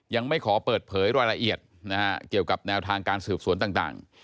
ยังไม่ขอเปิดเผยรายละเอียดนะฮะเกี่ยวกับแนวทางการสืบสวนต่าง